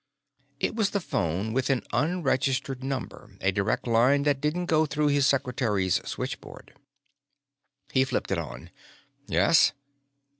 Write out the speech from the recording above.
It was the phone with the unregistered number, a direct line that didn't go through his secretary's switchboard. He flipped it on. "Yes?"